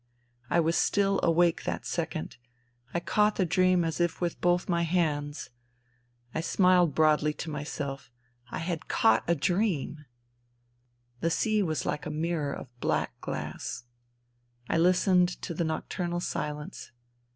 I was still awake that second : I caught the dream as if with both my hands. I smiled broadly to myself. I had caught a dream I ... The sea was like a mirror of black glass. I listened to the nocturnal silence.